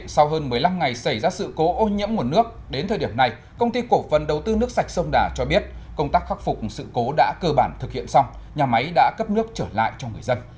sau hơn một mươi năm ngày xảy ra sự cố ô nhiễm nguồn nước đến thời điểm này công ty cổ phần đầu tư nước sạch sông đà cho biết công tác khắc phục sự cố đã cơ bản thực hiện xong nhà máy đã cấp nước trở lại cho người dân